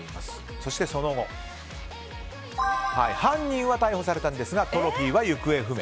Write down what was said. そして、その後犯人は逮捕されたんですがトロフィーは行方不明。